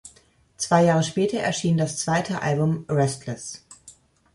Zwei Jahre später erschien das zweite Album "Restless".